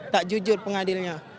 tak jujur pengadilnya